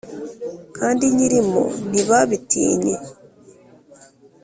Kandi nyirimo ntibabitinye.